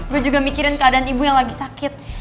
gue juga mikirin keadaan ibu yang lagi sakit